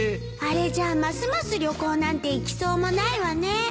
あれじゃあますます旅行なんて行きそうもないわね